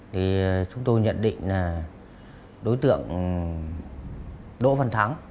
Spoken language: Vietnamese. thì chúng tôi nhận định là đối tượng đỗ văn thắng